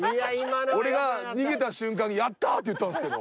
俺が逃げた瞬間に「やった！」って言ったんですけど。